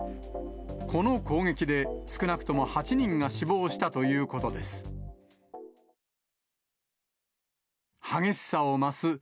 この攻撃で、少なくとも８人が死亡したということです。